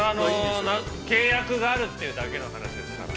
契約があるというだけの話ですから。